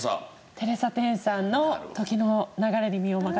テレサ・テンさんの『時の流れに身をまかせ』。